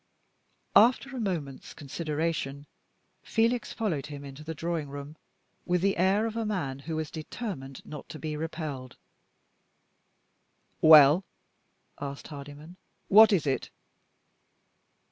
After a moment's consideration, Felix followed him into the drawing room, with the air of a man who was determined not to be repelled. "Well?" asked Hardyman. "What is it?"